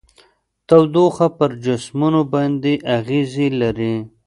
تودوخه پر جسمونو باندې اغیزې لري.